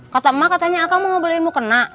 kata emak katanya akan mau beliin mukena